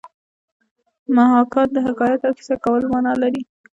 محاکات د حکایت او کیسه کولو مانا لري